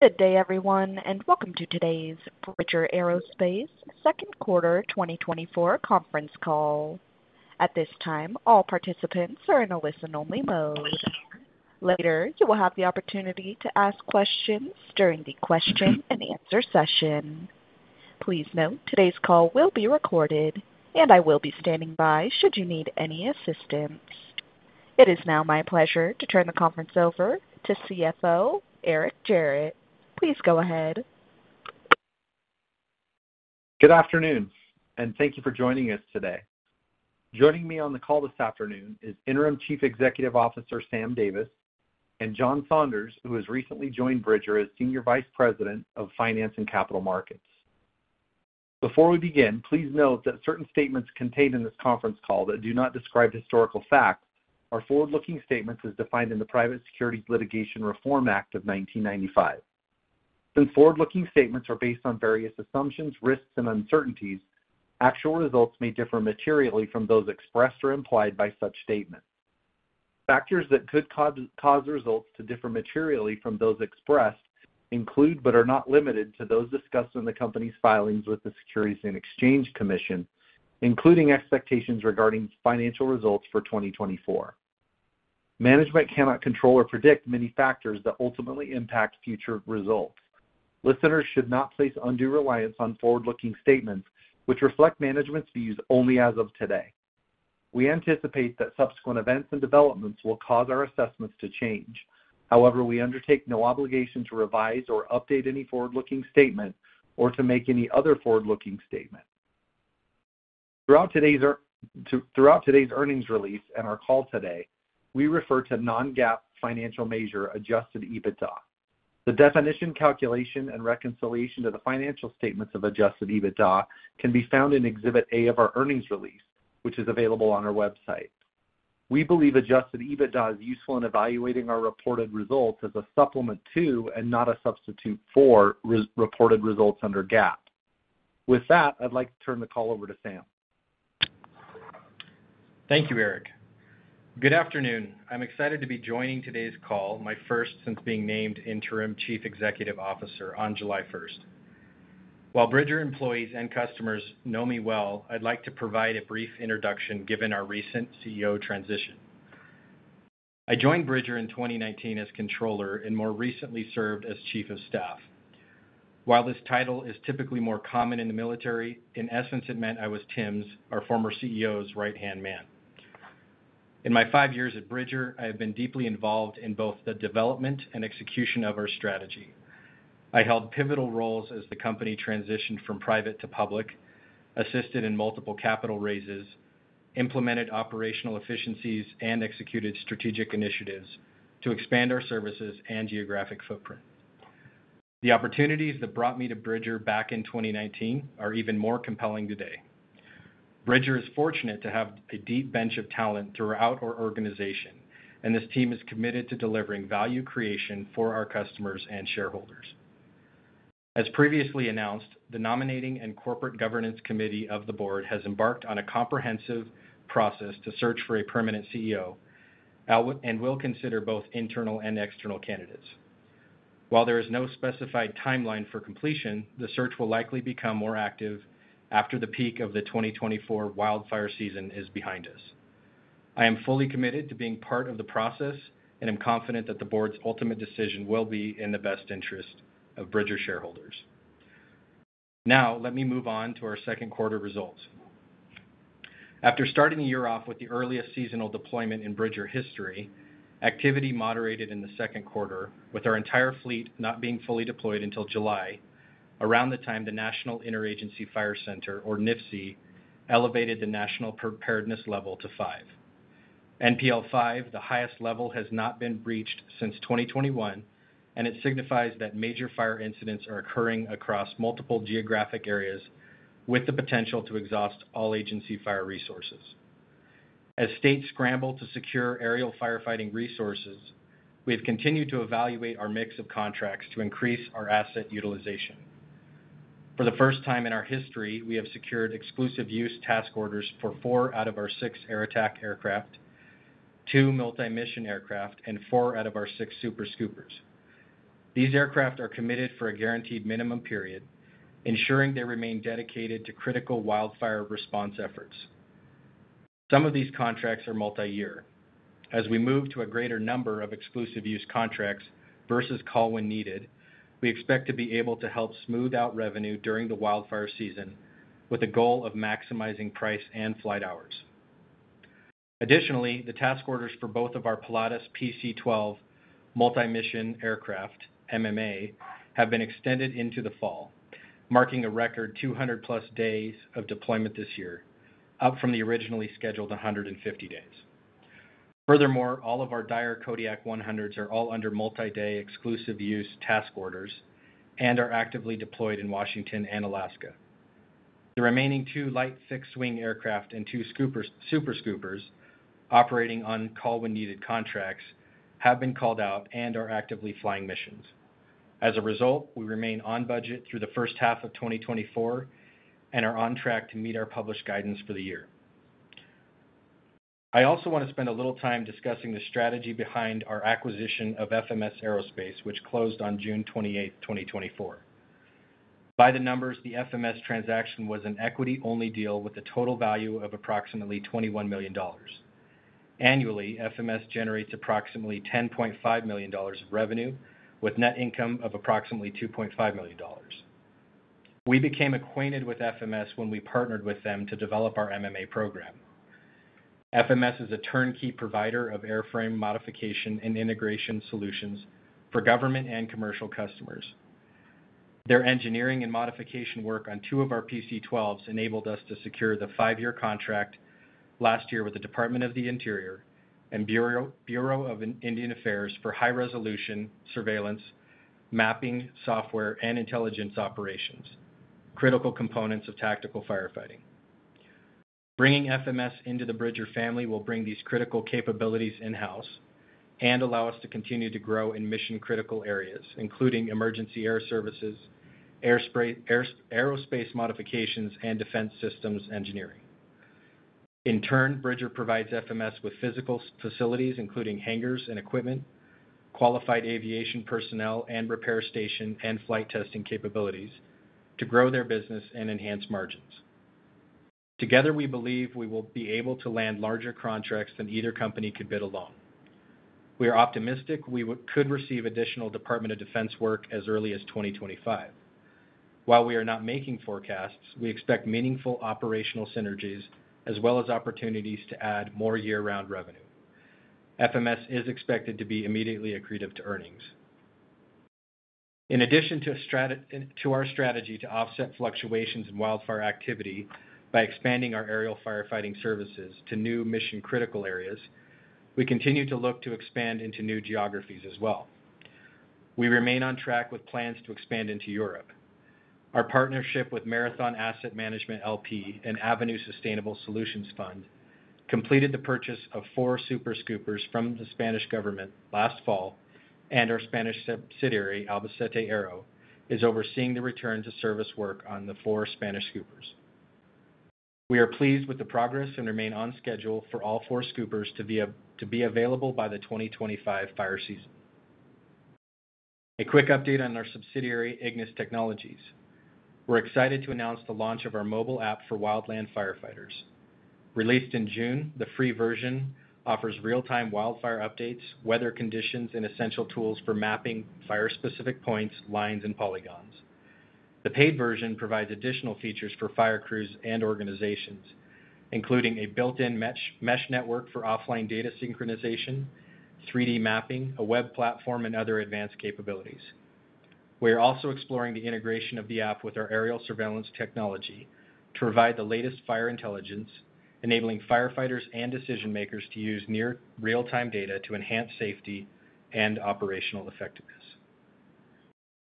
Good day, everyone, and welcome to today's Bridger Aerospace second quarter 2024 conference call. At this time, all participants are in a listen-only mode. Later, you will have the opportunity to ask questions during the question and answer session. Please note, today's call will be recorded, and I will be standing by should you need any assistance. It is now my pleasure to turn the conference over to CFO, Eric Jarrett. Please go ahead. Good afternoon, and thank you for joining us today. Joining me on the call this afternoon is Interim Chief Executive Officer, Sam Davis, and John Saunders, who has recently joined Bridger as Senior Vice President of Finance and Capital Markets. Before we begin, please note that certain statements contained in this conference call that do not describe historical facts are forward-looking statements as defined in the Private Securities Litigation Reform Act of 1995. Some forward-looking statements are based on various assumptions, risks, and uncertainties. Actual results may differ materially from those expressed or implied by such statements. Factors that could cause results to differ materially from those expressed include, but are not limited to, those discussed in the company's filings with the Securities and Exchange Commission, including expectations regarding financial results for 2024. Management cannot control or predict many factors that ultimately impact future results. Listeners should not place undue reliance on forward-looking statements, which reflect management's views only as of today. We anticipate that subsequent events and developments will cause our assessments to change. However, we undertake no obligation to revise or update any forward-looking statement or to make any other forward-looking statement. Throughout today's earnings release and our call today, we refer to non-GAAP financial measure adjusted EBITDA. The definition, calculation, and reconciliation to the financial statements of adjusted EBITDA can be found in Exhibit A of our earnings release, which is available on our website. We believe adjusted EBITDA is useful in evaluating our reported results as a supplement to, and not a substitute for, reported results under GAAP. With that, I'd like to turn the call over to Sam. Thank you, Eric. Good afternoon. I'm excited to be joining today's call, my first since being named Interim Chief Executive Officer on July 1st. While Bridger employees and customers know me well, I'd like to provide a brief introduction given our recent CEO transition. I joined Bridger in 2019 as controller and more recently served as chief of staff. While this title is typically more common in the military, in essence, it meant I was Tim's, our former CEO's, right-hand man. In my five years at Bridger, I have been deeply involved in both the development and execution of our strategy. I held pivotal roles as the company transitioned from private to public, assisted in multiple capital raises, implemented operational efficiencies, and executed strategic initiatives to expand our services and geographic footprint. The opportunities that brought me to Bridger back in 2019 are even more compelling today. Bridger is fortunate to have a deep bench of talent throughout our organization, and this team is committed to delivering value creation for our customers and shareholders. As previously announced, the Nominating and Corporate Governance Committee of the board has embarked on a comprehensive process to search for a permanent CEO, and will consider both internal and external candidates. While there is no specified timeline for completion, the search will likely become more active after the peak of the 2024 wildfire season is behind us. I am fully committed to being part of the process and am confident that the board's ultimate decision will be in the best interest of Bridger shareholders. Now, let me move on to our second quarter results. After starting the year off with the earliest seasonal deployment in Bridger history, activity moderated in the second quarter, with our entire fleet not being fully deployed until July, around the time the National Interagency Fire Center, or NIFC, elevated the national preparedness level to 5. NPL 5, the highest level, has not been breached since 2021, and it signifies that major fire incidents are occurring across multiple geographic areas with the potential to exhaust all agency fire resources. As states scramble to secure aerial firefighting resources, we have continued to evaluate our mix of contracts to increase our asset utilization. For the first time in our history, we have secured exclusive use task orders for 4 out of our 6 Air Attack aircraft, 2 multi-mission aircraft, and 4 out of our 6 Super Scoopers. These aircraft are committed for a guaranteed minimum period, ensuring they remain dedicated to critical wildfire response efforts. Some of these contracts are multi-year. As we move to a greater number of exclusive use contracts versus call when needed, we expect to be able to help smooth out revenue during the wildfire season with a goal of maximizing price and flight hours. Additionally, the task orders for both of our Pilatus PC-12 multi-mission aircraft, MMA, have been extended into the fall, marking a record 200+ days of deployment this year, up from the originally scheduled 150 days. Furthermore, all of our Daher Kodiak 100s are all under multi-day exclusive use task orders and are actively deployed in Washington and Alaska. The remaining two light fixed-wing aircraft and two Super Scoopers operating on Call When Needed contracts have been called out and are actively flying missions. As a result, we remain on budget through the first half of 2024 and are on track to meet our published guidance for the year. I also want to spend a little time discussing the strategy behind our acquisition of FMS Aerospace, which closed on June 28, 2024. By the numbers, the FMS transaction was an equity-only deal with a total value of approximately $21 million. Annually, FMS generates approximately $10.5 million of revenue, with net income of approximately $2.5 million. We became acquainted with FMS when we partnered with them to develop our MMA program. FMS is a turnkey provider of airframe modification and integration solutions for government and commercial customers. Their engineering and modification work on two of our PC-12s enabled us to secure the five-year contract last year with the Department of the Interior and Bureau of Indian Affairs for high-resolution surveillance, mapping, software, and intelligence operations, critical components of tactical firefighting. Bringing FMS into the Bridger family will bring these critical capabilities in-house and allow us to continue to grow in mission-critical areas, including emergency air services, aerospace modifications, and defense systems engineering. In turn, Bridger provides FMS with physical facilities, including hangars and equipment, qualified aviation personnel, and repair station and flight testing capabilities to grow their business and enhance margins. Together, we believe we will be able to land larger contracts than either company could bid alone. We are optimistic we could receive additional Department of Defense work as early as 2025. While we are not making forecasts, we expect meaningful operational synergies as well as opportunities to add more year-round revenue. FMS is expected to be immediately accretive to earnings. In addition to our strategy to offset fluctuations in wildfire activity by expanding our aerial firefighting services to new mission-critical areas, we continue to look to expand into new geographies as well. We remain on track with plans to expand into Europe. Our partnership with Marathon Asset Management LP and Avenue Sustainable Solutions Fund completed the purchase of four Super Scoopers from the Spanish government last fall, and our Spanish subsidiary, Albacete Aero, is overseeing the return to service work on the four Spanish scoopers. We are pleased with the progress and remain on schedule for all four scoopers to be available by the 2025 fire season. A quick update on our subsidiary, Ignis Technologies. We're excited to announce the launch of our mobile app for wildland firefighters. Released in June, the free version offers real-time wildfire updates, weather conditions, and essential tools for mapping fire-specific points, lines, and polygons. The paid version provides additional features for fire crews and organizations, including a built-in mesh network for offline data synchronization, 3D mapping, a web platform, and other advanced capabilities. We are also exploring the integration of the app with our aerial surveillance technology to provide the latest fire intelligence, enabling firefighters and decision-makers to use near real-time data to enhance safety and operational effectiveness.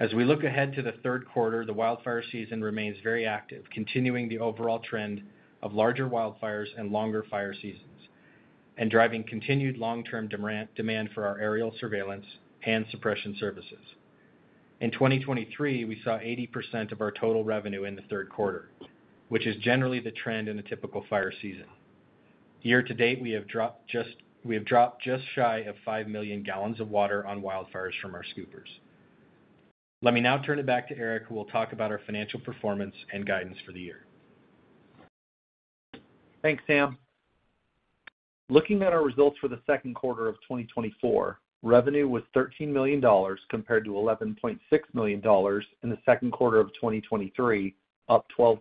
As we look ahead to the third quarter, the wildfire season remains very active, continuing the overall trend of larger wildfires and longer fire seasons, and driving continued long-term demand for our aerial surveillance and suppression services. In 2023, we saw 80% of our total revenue in the third quarter, which is generally the trend in a typical fire season. Year to date, we have dropped just shy of 5 million gallons of water on wildfires from our scoopers. Let me now turn it back to Eric, who will talk about our financial performance and guidance for the year. Thanks, Sam. Looking at our results for the second quarter of 2024, revenue was $13 million, compared to $11.6 million in the second quarter of 2023, up 12%.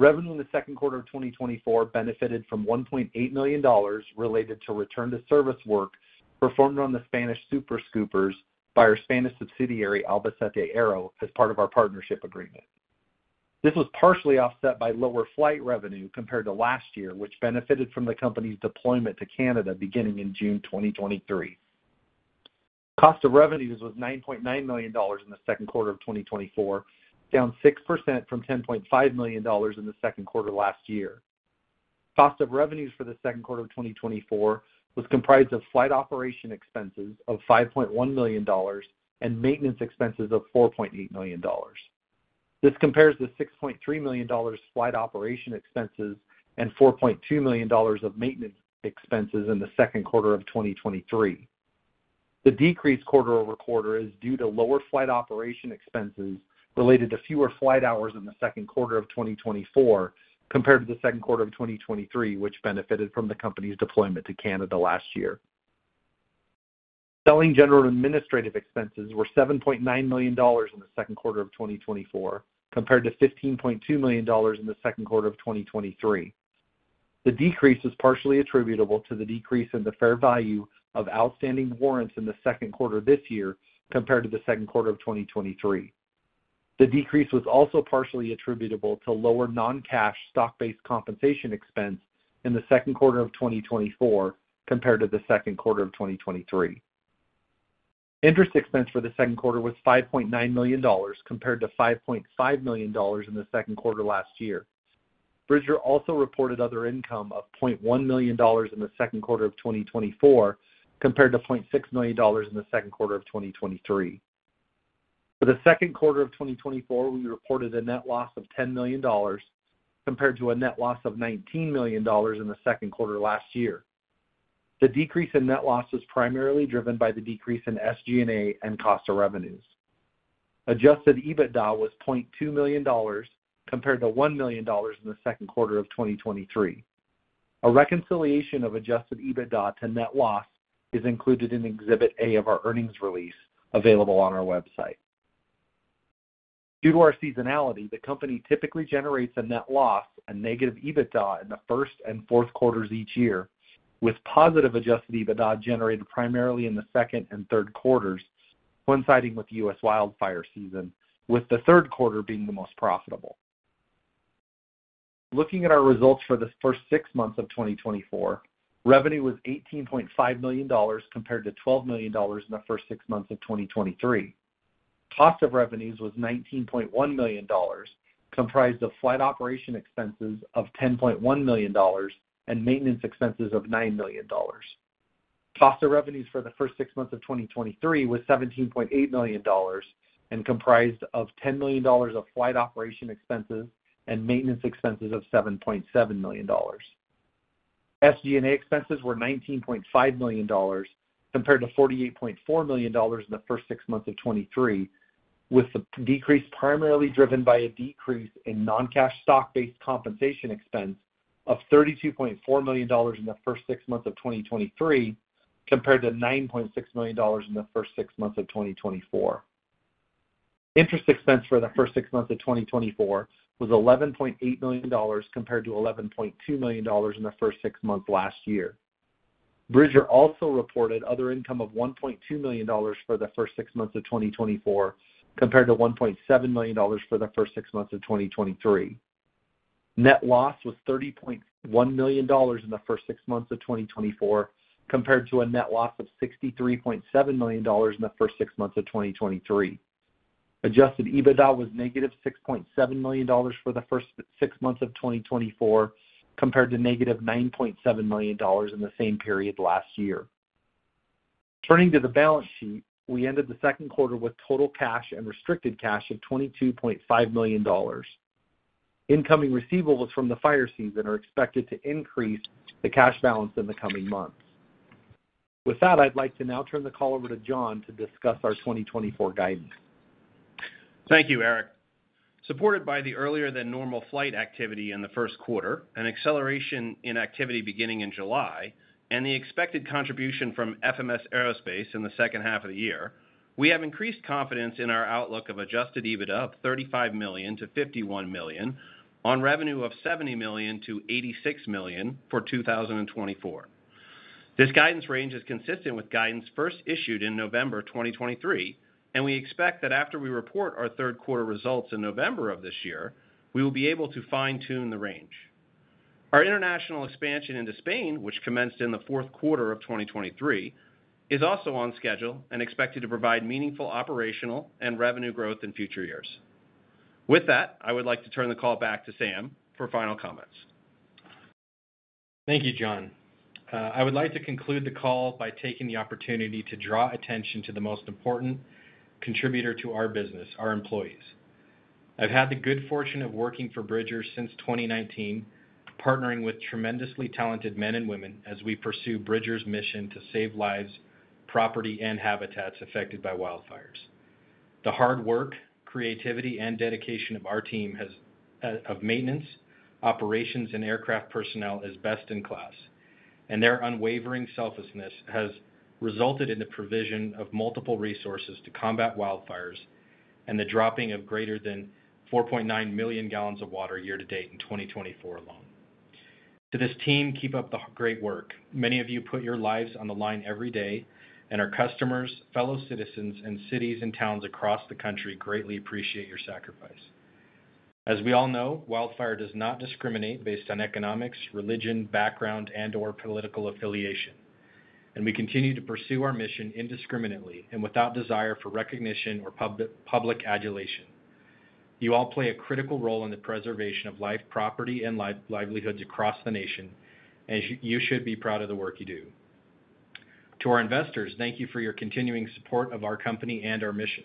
Revenue in the second quarter of 2024 benefited from $1.8 million related to return to service work performed on the Spanish Super Scoopers by our Spanish subsidiary, Albacete Aero, as part of our partnership agreement. This was partially offset by lower flight revenue compared to last year, which benefited from the company's deployment to Canada beginning in June 2023. Cost of revenues was $9.9 million in the second quarter of 2024, down 6% from $10.5 million in the second quarter last year. Cost of revenues for the second quarter of 2024 was comprised of flight operation expenses of $5.1 million and maintenance expenses of $4.8 million. This compares to $6.3 million flight operation expenses and $4.2 million of maintenance expenses in the second quarter of 2023. The decrease quarter-over-quarter is due to lower flight operation expenses related to fewer flight hours in the second quarter of 2024, compared to the second quarter of 2023, which benefited from the company's deployment to Canada last year. Selling general and administrative expenses were $7.9 million in the second quarter of 2024, compared to $15.2 million in the second quarter of 2023. The decrease was partially attributable to the decrease in the fair value of outstanding warrants in the second quarter this year compared to the second quarter of 2023. The decrease was also partially attributable to lower non-cash stock-based compensation expense in the second quarter of 2024 compared to the second quarter of 2023. Interest expense for the second quarter was $5.9 million, compared to $5.5 million in the second quarter last year. Bridger also reported other income of $0.1 million in the second quarter of 2024, compared to $0.6 million in the second quarter of 2023. For the second quarter of 2024, we reported a net loss of $10 million compared to a net loss of $19 million in the second quarter last year. The decrease in net loss was primarily driven by the decrease in SG&A and cost of revenues. Adjusted EBITDA was $0.2 million, compared to $1 million in the second quarter of 2023. A reconciliation of adjusted EBITDA to net loss is included in Exhibit A of our earnings release, available on our website. Due to our seasonality, the company typically generates a net loss and negative EBITDA in the first and fourth quarters each year, with positive adjusted EBITDA generated primarily in the second and third quarters, coinciding with the U.S. wildfire season, with the third quarter being the most profitable. Looking at our results for the first six months of 2024, revenue was $18.5 million, compared to $12 million in the first six months of 2023. Cost of revenues was $19.1 million, comprised of flight operation expenses of $10.1 million and maintenance expenses of $9 million. Cost of revenues for the first six months of 2023 was $17.8 million and comprised of $10 million of flight operation expenses and maintenance expenses of $7.7 million. SG&A expenses were $19.5 million, compared to $48.4 million in the first six months of 2023, with the decrease primarily driven by a decrease in non-cash stock-based compensation expense of $32.4 million in the first six months of 2023, compared to $9.6 million in the first six months of 2024. Interest expense for the first six months of 2024 was $11.8 million, compared to $11.2 million in the first six months last year. Bridger also reported other income of $1.2 million for the first six months of 2024, compared to $1.7 million for the first six months of 2023. Net loss was $30.1 million in the first six months of 2024, compared to a net loss of $63.7 million in the first six months of 2023. Adjusted EBITDA was -$6.7 million for the first six months of 2024, compared to -$9.7 million in the same period last year. Turning to the balance sheet, we ended the second quarter with total cash and restricted cash of $22.5 million. Incoming receivables from the fire season are expected to increase the cash balance in the coming months. With that, I'd like to now turn the call over to John to discuss our 2024 guidance. Thank you, Eric. Supported by the earlier than normal flight activity in the first quarter, an acceleration in activity beginning in July, and the expected contribution from FMS Aerospace in the second half of the year, we have increased confidence in our outlook of Adjusted EBITDA of $35 million-$51 million, on revenue of $70 million-$86 million for 2024. This guidance range is consistent with guidance first issued in November 2023, and we expect that after we report our third quarter results in November of this year, we will be able to fine-tune the range. Our international expansion into Spain, which commenced in the fourth quarter of 2023, is also on schedule and expected to provide meaningful operational and revenue growth in future years. With that, I would like to turn the call back to Sam for final comments. Thank you, John. I would like to conclude the call by taking the opportunity to draw attention to the most important contributor to our business, our employees. I've had the good fortune of working for Bridger since 2019, partnering with tremendously talented men and women as we pursue Bridger's mission to save lives, property and habitats affected by wildfires. The hard work, creativity and dedication of our team of maintenance, operations, and aircraft personnel is best-in-class, and their unwavering selflessness has resulted in the provision of multiple resources to combat wildfires and the dropping of greater than 4.9 million gallons of water year to date in 2024 alone. To this team, keep up the great work. Many of you put your lives on the line every day, and our customers, fellow citizens in cities and towns across the country, greatly appreciate your sacrifice. As we all know, wildfire does not discriminate based on economics, religion, background, and/or political affiliation, and we continue to pursue our mission indiscriminately and without desire for recognition or public adulation. You all play a critical role in the preservation of life, property, and livelihoods across the nation, and you should be proud of the work you do. To our investors, thank you for your continuing support of our company and our mission.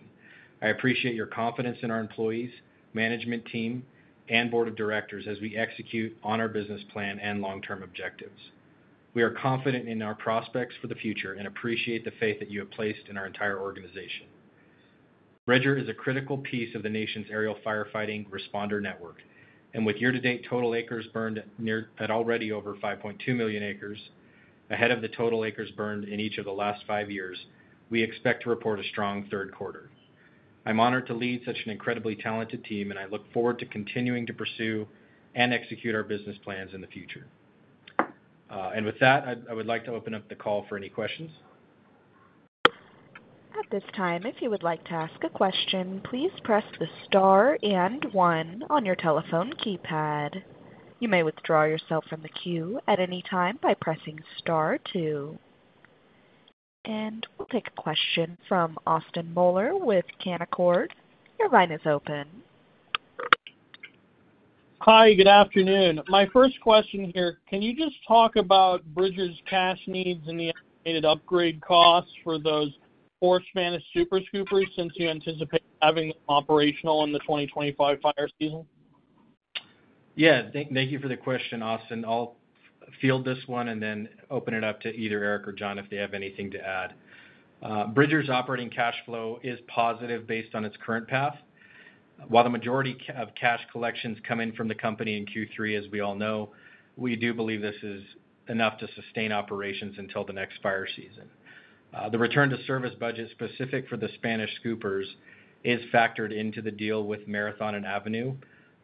I appreciate your confidence in our employees, management team, and board of directors as we execute on our business plan and long-term objectives. We are confident in our prospects for the future and appreciate the faith that you have placed in our entire organization. Bridger is a critical piece of the nation's aerial firefighting responder network, and with year-to-date total acres burned at already over 5.2 million acres, ahead of the total acres burned in each of the last five years, we expect to report a strong third quarter. I'm honored to lead such an incredibly talented team, and I look forward to continuing to pursue and execute our business plans in the future. And with that, I would like to open up the call for any questions. At this time, if you would like to ask a question, please press the star and one on your telephone keypad. You may withdraw yourself from the queue at any time by pressing star two. We'll take a question from Austin Moeller with Canaccord. Your line is open. Hi, good afternoon. My first question here, can you just talk about Bridger's cash needs and the estimated upgrade costs for those four Spanish super Scoopers, since you anticipate having operational in the 2025 fire season? Yeah, thank you for the question, Austin. I'll field this one and then open it up to either Eric or John, if they have anything to add. Bridger's operating cash flow is positive based on its current path. While the majority of cash collections come in from the company in Q3, as we all know, we do believe this is enough to sustain operations until the next fire season. The return to service budget specific for the Spanish scoopers is factored into the deal with Marathon and Avenue,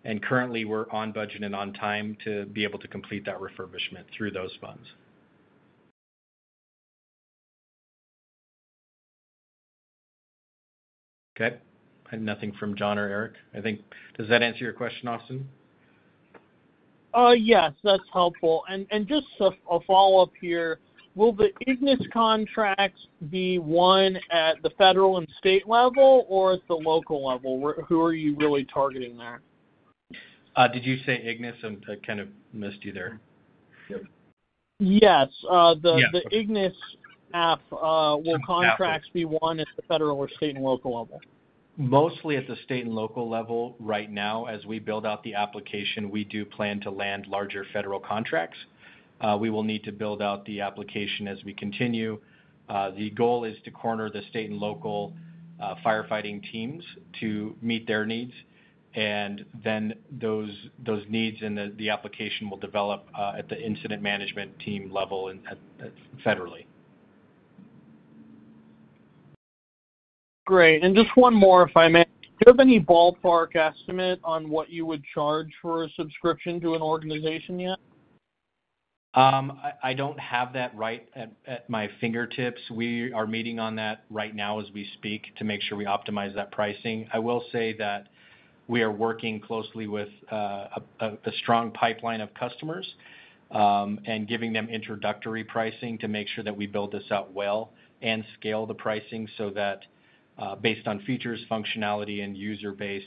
and currently, we're on budget and on time to be able to complete that refurbishment through those funds. Okay. I have nothing from John or Eric, I think. Does that answer your question, Austin? Yes, that's helpful. And just a follow-up here, will the Ignis contracts be won at the federal and state level or at the local level? Where, who are you really targeting there? Did you say Ignis? I kind of missed you there. Yep. Yes, Yeah. The Ignis App, will contracts be won at the federal or state and local level? Mostly at the state and local level right now. As we build out the application, we do plan to land larger federal contracts. We will need to build out the application as we continue. The goal is to corner the state and local firefighting teams to meet their needs, and then those needs and the application will develop at the incident management team level and at federally. Great. Just one more, if I may. Do you have any ballpark estimate on what you would charge for a subscription to an organization yet? I don't have that right at my fingertips. We are meeting on that right now as we speak, to make sure we optimize that pricing. I will say that we are working closely with a strong pipeline of customers, and giving them introductory pricing to make sure that we build this out well and scale the pricing so that, based on features, functionality, and user base,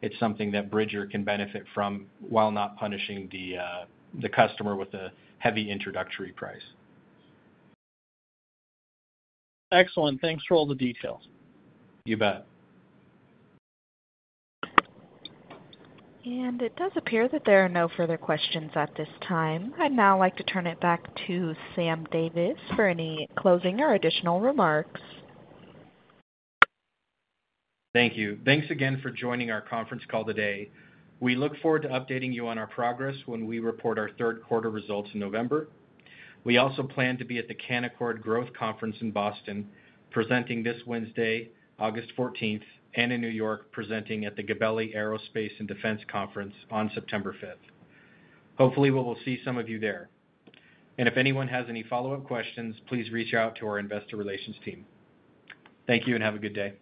it's something that Bridger can benefit from while not punishing the customer with a heavy introductory price. Excellent. Thanks for all the details. You bet. It does appear that there are no further questions at this time. I'd now like to turn it back to Sam Davis for any closing or additional remarks. Thank you. Thanks again for joining our conference call today. We look forward to updating you on our progress when we report our third quarter results in November. We also plan to be at the Canaccord Growth Conference in Boston, presenting this Wednesday, August 14th, and in New York, presenting at the Gabelli Aerospace & Defense Conference on September 5th. Hopefully, we will see some of you there. And if anyone has any follow-up questions, please reach out to our investor relations team. Thank you, and have a good day.